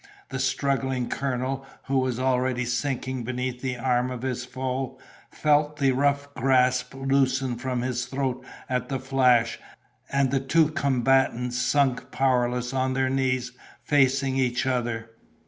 The struggling colonel, who was already sinking beneath the arm of his foe, felt the rough grasp loosen from his throat at the flash, and the two combatants sunk powerless on their knees, facing each other.